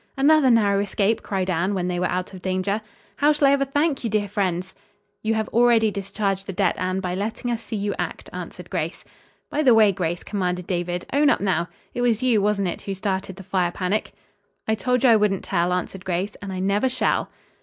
"Another narrow escape," cried Anne, when they were out of danger. "How shall I ever thank you, dear friends?" "You have already discharged the debt, Anne, by letting us see you act," answered Grace. "By the way, Grace," commanded David, "own up now. It was you, wasn't it, who started the fire panic?" "I told you I wouldn't tell," answered Grace, "and I never shall."